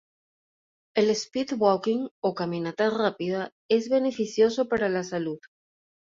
El Speed walking o caminata rápida es beneficioso para la salud.